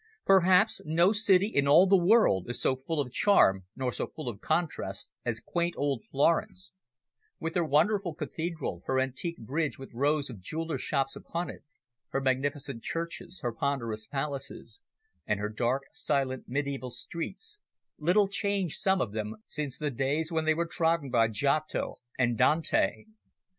Perhaps no city in all the world is so full of charm nor so full of contrasts as quaint old Florence, with her wonderful cathedral, her antique bridge with rows of jewellers' shops upon it, her magnificent churches, her ponderous palaces, and her dark, silent, mediaeval streets, little changed, some of them, since the days when they were trodden by Giotto and by Dante.